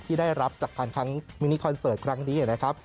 ที่ได้รับจากการครั้งมินิคอนเสิร์ตครั้งนี้นะครับ